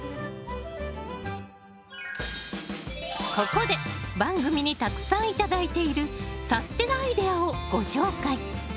ここで番組にたくさん頂いているさすてなアイデアをご紹介